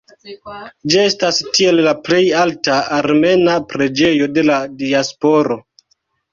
Ĝi estas tiel la plej alta armena preĝejo de la diasporo.